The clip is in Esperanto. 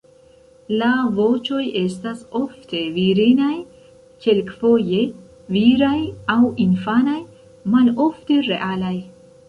La voĉoj estas ofte virinaj, kelkfoje viraj aŭ infanaj, malofte realaj.